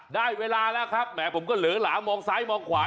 ได้เวลาแล้วครับแหมผมก็เหลือหลามองซ้ายมองขวา